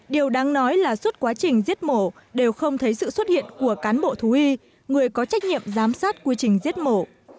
điều đáng nói là suốt quá trình giết mổ đều không thấy sự xuất hiện của cán bộ thú y người có trách nhiệm giám sát quy trình giết mổ